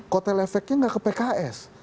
kotel efeknya nggak ke pks